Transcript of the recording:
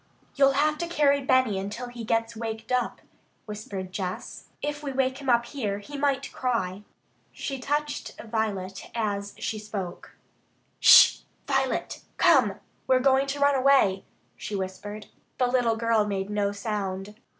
"You'll have to carry Benny until he gets waked up," whispered Jess. "If we wake him up here, he might cry." She touched Violet as she spoke. "Sh! Violet! Come! We're going to run away," she whispered. The little girl made no sound.